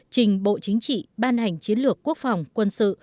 trình bộ chính trị ban hành chiến lược quốc phòng quân sự